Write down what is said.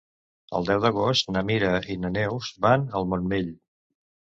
El deu d'agost na Mira i na Neus van al Montmell.